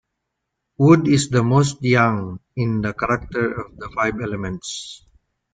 Wood is the most yang in character of the Five elements.